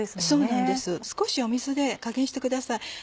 そうなんです少し水で加減してください。